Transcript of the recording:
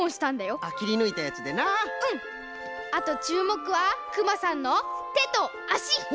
あとちゅうもくはクマさんのてとあし！